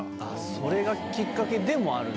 それがきっかけでもあるんだじゃあ。